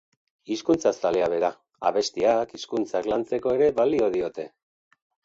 Hizkuntza zalea bera, abestiak hizkuntzak lantzeko ere balio diote.